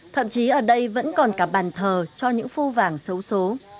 thậm chí ở đây vẫn còn cả bàn thờ cho những phu vàng xấu xố